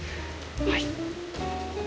はい。